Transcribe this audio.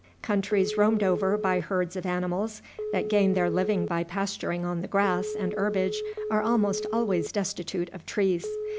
Countries roamed over by herds of animals that gain their living by pasturing on the grass and herbage are almost always destitute of trees.